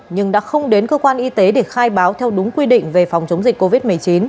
nhưng đã không đến cơ quan y tế để khai báo theo đúng quy định về phòng chống dịch covid một mươi chín